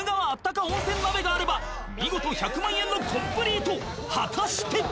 あったか温泉鍋があれば見事１００万円のコンプリート果たして？